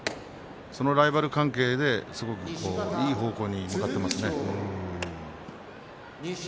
そのライバル関係がいい方向に向かっていますね。